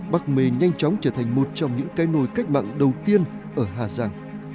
bắc mê nhanh chóng trở thành một trong những cái nồi cách mạng đầu tiên ở hà giang